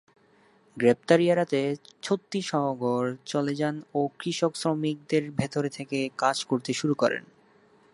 গ্রেপ্তারি এড়াতে ছত্তীসগঢ় চলে যান ও কৃষক শ্রমিকদের ভেতরে থেকে কাজ করতে শুরু করেন।